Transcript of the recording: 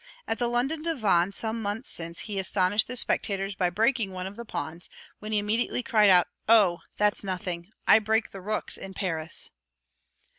At the London Divan some months since he astonished the spectators by breaking one of the pawns, when he immediately cried out "Oh, that's nothing; I break the rooks in Paris."